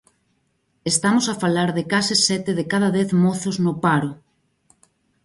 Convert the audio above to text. Estamos a falar de case sete de cada dez mozos no paro.